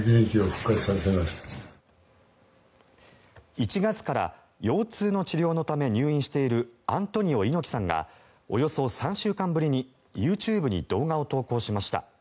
１月から腰痛の治療のため入院しているアントニオ猪木さんがおよそ３週間ぶりにＹｏｕＴｕｂｅに動画を投稿しました。